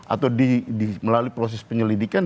atau melalui proses penyelidikan